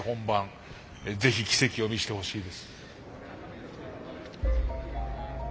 ぜひ奇跡を見せてほしいです。